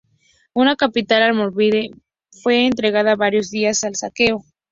La capital almorávide fue entregada varios días al saqueo.